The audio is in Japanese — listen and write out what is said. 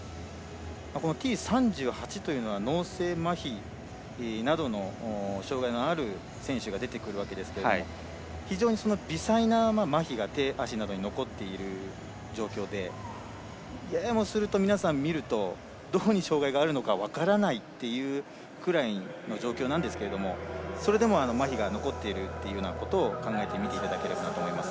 Ｔ３８というのは脳性まひなどの障がいのある選手が出てくるわけですけれども非常に微細なまひが手足などに残っている状況でややもすると皆さん、見るとどこに障がいがあるのか分からないっていうくらいの状況なんですけどそれでも、まひが残っているというようなことを考えてみていただければと思います。